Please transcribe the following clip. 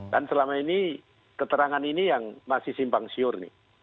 dan selama ini keterangan ini yang masih simpang siur